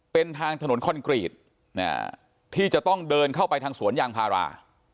เป็นทางถนนคอนกรีตที่จะต้องเดินเข้าไปทางสวนยางพารา